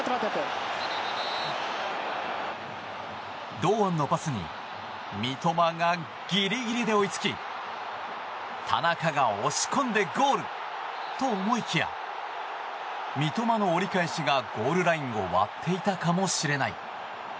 堂安のパスに三笘がギリギリで追いつき田中が押し込んで、ゴール！と思いきや三笘の折り返しがゴールラインを割っていたかもしれない。